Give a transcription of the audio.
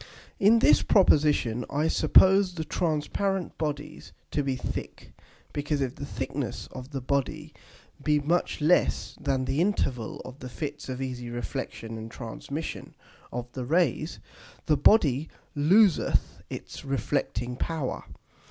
In this Proposition I suppose the transparent Bodies to be thick; because if the thickness of the Body be much less than the Interval of the Fits of easy Reflexion and Transmission of the Rays, the Body loseth its reflecting power.